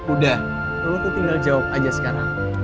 udah lu tuh tinggal jawab aja sekarang